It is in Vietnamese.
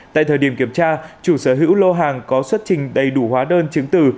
tại thời điểm kiểm tra chủ sở hữu lô hàng có xuất trình đầy đủ hóa đơn chứng từ